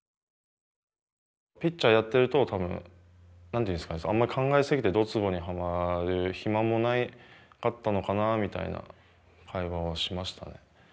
ピッチャーやってると多分何て言うんですかねあんまり考え過ぎてどつぼにはまる暇もなかったのかなみたいな会話はしましたね。